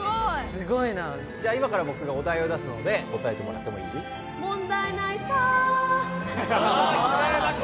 すごい。じゃあ今からぼくがお題を出すので答えてもらってもいい？もんだいないさきれいな声！